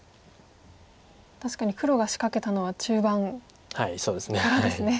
確かに黒が仕掛けたのは中盤からですね。